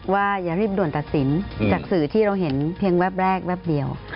อย่ารีบด่วนตัดสินจากสื่อที่เราเห็นเพียงแวบแรกแป๊บเดียว